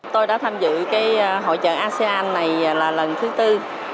tôi đã tham dự hội trợ asean này là lần thứ tư